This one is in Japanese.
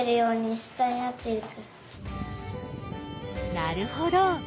なるほど。